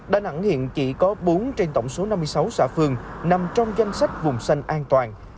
đà nẵng hiện chỉ có bốn trên tổng số năm mươi sáu xã phường nằm trong danh sách vùng xanh an toàn